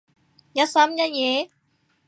一心一意？